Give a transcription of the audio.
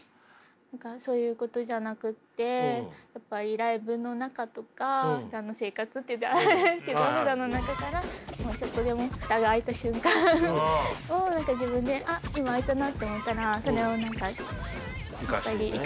何かそういうことじゃなくてやっぱりライブの中とかふだんの生活っていったらあれですけどふだんの中からもうちょっとでも蓋が開いた瞬間を何か自分であっ今開いたなって思ったらそれを何か生かしていきたいです。